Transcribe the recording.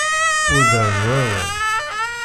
Ur d-rennu awal!